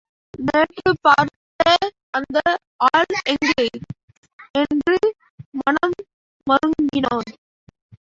நேற்றுப்பார்த்த அந்த ஆள் எங்கே? என்று மனம் மறுகினான்.